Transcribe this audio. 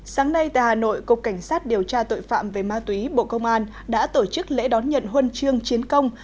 sáng nay tại hà nội cục cảnh sát điều tra tội phạm về ma túy bộ công an đã tổ chức lễ đón nhận huân chương chiến công